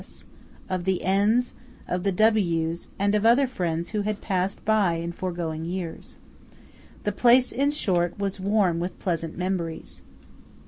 S., of the N's, of the W's and of other friends who had passed by in foregoing years. The place, in short, was warm with pleasant memories.